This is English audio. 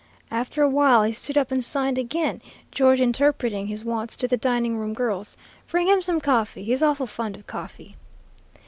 After a while he stood up and signed again, George interpreting his wants to the dining room girls: 'Bring him some coffee. He's awful fond of coffee.'